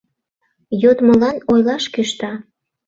Йодмылан ойлаш кӱшта: